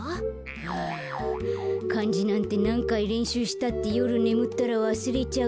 はあかんじなんてなんかいれんしゅうしたってよるねむったらわすれちゃうし。